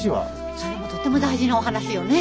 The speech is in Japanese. それもとっても大事なお話よね。